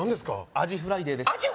アジフライデー？